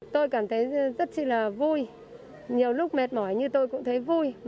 tôi cảm thấy rất là vui nhiều lúc mệt mỏi như tôi cũng thấy vui